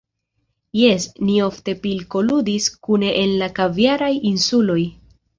Jes; ni ofte pilkoludis kune en la Kaviaraj Insuloj.